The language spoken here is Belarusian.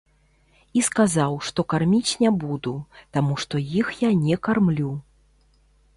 І сказаў, што карміць не буду, таму што іх я не кармлю.